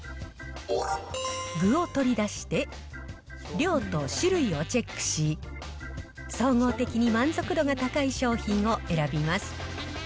具を取り出して、量と種類をチェックし、総合的に満足度が高い商品を選びます。